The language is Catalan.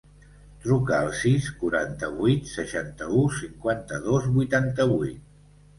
Truca al sis, quaranta-vuit, seixanta-u, cinquanta-dos, vuitanta-vuit.